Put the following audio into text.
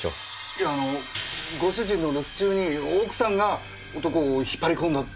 いやあのご主人の留守中に奥さんが男を引っ張り込んだって事ですか？